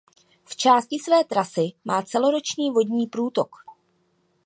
V části své trasy má celoroční vodní průtok.